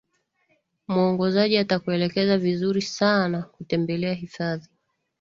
muongozaji atakuelekeza vizuri sana kutembelea hifadhi